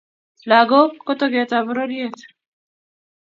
Lakok ko toket ab pororiet